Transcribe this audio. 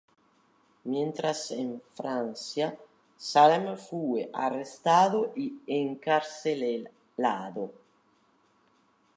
Mientras en Francia, Salem fue arrestado y encarcelado.